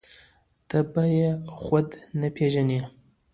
ته به يې خود نه پېژنې.